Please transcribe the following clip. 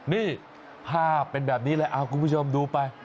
นี่ภาพเป็นแบบนี้เลยคุณผู้ชมดูไป